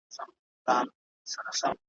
شپه تاریکه ده نګاره چي رانه سې `